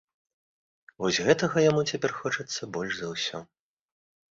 Вось гэтага яму цяпер хочацца больш за ўсё.